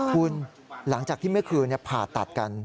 คุณหลังจากที่เมื่อคืนผ่าตัดกัน